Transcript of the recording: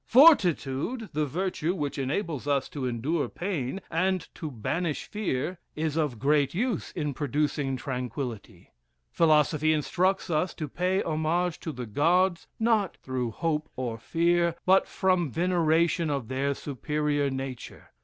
"Fortitude, the virtue which enables us to endure pain, and to banish fear, is of great use in producing tranquillity. Philosophy instructs us to pay homage to the gods, not through hope or fear, but from veneration of their superior nature.